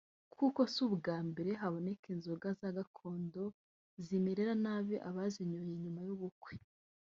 kuko si ubwa mbere haboneka inzoga gakondo zimerera nabi abazinyoye nyuma y’ubukwe